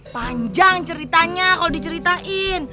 panjang ceritanya kalau diceritain